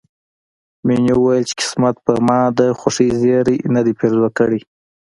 مينې وويل چې قسمت پر ما د خوښۍ زيری نه دی پيرزو کړی